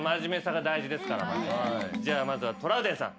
じゃあまずはトラウデンさん。